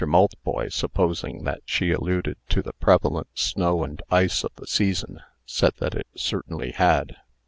Maltboy, supposing that she alluded to the prevalent snow and ice of the season, said that it certainly had.